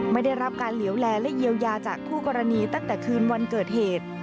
ไม่ได้รับการเหลวแลและเยียวยาจากคู่กรณีตั้งแต่คืนวันเกิดเหตุ